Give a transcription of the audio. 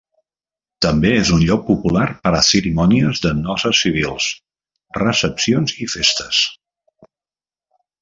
També és un lloc popular per a cerimònies de noces civils, recepcions i festes.